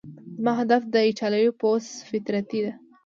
زما هدف د ده ایټالوي پست فطرتي ده.